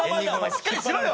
しっかりしろよ！